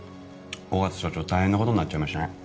緒方署長大変なことになっちゃいましたね。